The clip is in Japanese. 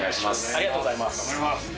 ありがとうございます。